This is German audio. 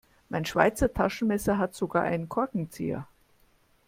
Mein Schweizer Taschenmesser hat sogar einen Korkenzieher.